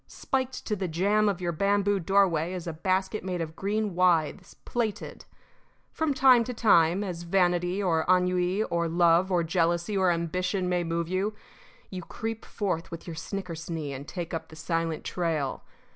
Spiked to the jamb of your bamboo doorway is a basket made of green withes, plaited. From time to time, as vanity or ennui or love or jealousy or ambition may move you, you creep forth with your snickersnee and take up the silent trail.